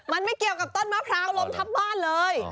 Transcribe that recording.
มันไม่เกี่ยวกับต้นมะพร้าวล้มทับบ้านเลย